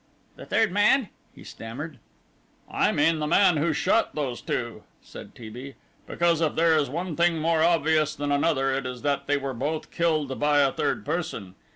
"The third man?" he stammered. "I mean the man who shot those two," said T. B., "because if there is one thing more obvious than another it is that they were both killed by a third person.